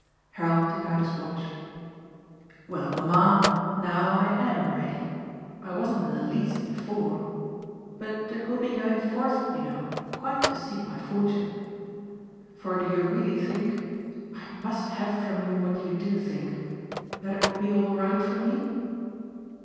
Harold took out his watch. "Well, mamma, now I AM ready: I wasn't in the least before. But it will be going forth, you know, quite to seek my fortune. For do you really think I must have from you what you do think that it will be all right for me?"